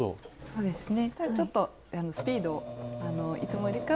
そうですね。